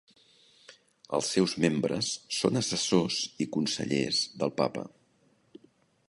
Els seus membres són assessors i consellers del Papa.